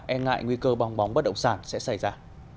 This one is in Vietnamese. e ngại nguy cơ bong bóng bất động sản sẽ xảy ra